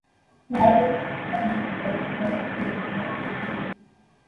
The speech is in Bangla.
ভারতের স্বাধীনতা আন্দোলনে জাতীয় কংগ্রেস নেতৃত্ব দান করেছিল।